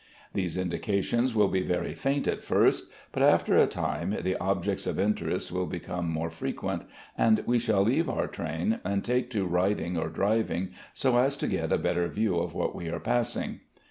These indications will be very faint at first, but after a time the objects of interest will become more frequent, and we shall leave our train and take to riding or driving so as to get a better view of what we are passing.